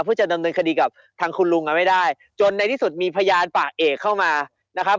เพื่อจะดำเนินคดีกับทางคุณลุงกันไม่ได้จนในที่สุดมีพยานปากเอกเข้ามานะครับ